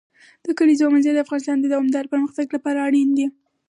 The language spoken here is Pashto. د کلیزو منظره د افغانستان د دوامداره پرمختګ لپاره اړین دي.